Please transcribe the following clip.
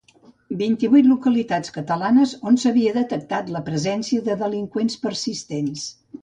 Vint-i-vuit localitats catalanes on s'havia detectat la presència de delinqüents persistents